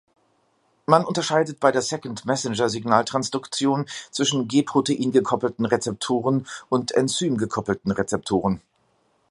Man unterscheidet bei der Second-Messenger-Signaltransduktion zwischen G-Protein-gekoppelten Rezeptoren und Enzym-gekoppelten Rezeptoren.